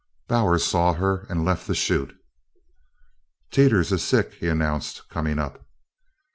Bowers saw her and left the chute. "Teeters is sick," he announced, coming up.